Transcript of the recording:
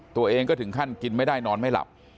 ตัวเองก็ถึงขั้นกินไม่ได้นอนไม่หลับ